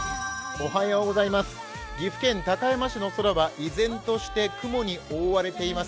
岐阜県高山市の空は依然として雲に覆われています。